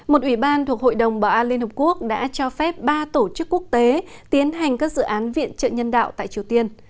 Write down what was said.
một ủy ban thuộc hội đồng bảo an liên hợp quốc đã cho phép ba tổ chức quốc tế tiến hành các dự án viện trợ nhân đạo tại triều tiên